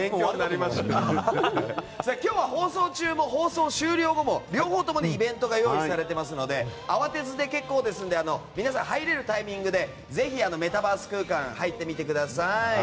今日は放送中も放送終了後も両方にイベントが用意されていますので慌てずで結構ですので皆さん、入れるタイミングでぜひメタバース空間に入ってみてください。